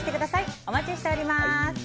お待ちしております。